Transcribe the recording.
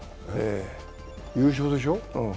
優勝でしょ。